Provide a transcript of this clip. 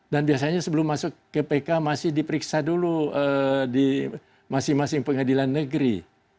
dan biasanya sebelum masuk ke pk masih diperiksa dulu di masing masing pengadilan negeri